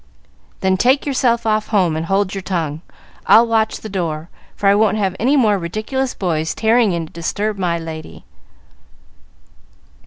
"Then take yourself off home and hold your tongue. I'll watch the door, for I won't have any more ridiculous boys tearing in to disturb my lady."